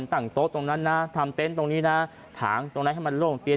ตั้งโต๊ะตรงนั้นนะทำเต็นต์ตรงนี้นะถางตรงไหนให้มันโล่งเตียน